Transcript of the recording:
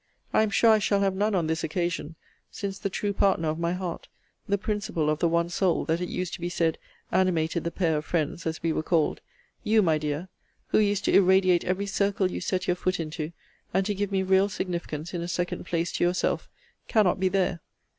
I am sure I shall have none on this occasion; since the true partner of my heart, the principal of the one soul, that it used to be said, animated the pair of friends, as we were called; you, my dear, [who used to irradiate every circle you set your foot into, and to give me real significance in a second place to yourself,] cannot be there!